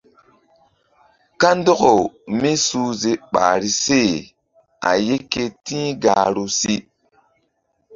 Kandɔkaw mísuhze ɓahri se a ye ke ti̧h gahru si.